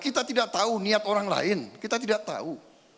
kita tidak tahu niat orang lain kita tidak tahu